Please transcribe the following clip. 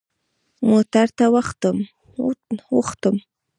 موټر ته وختم.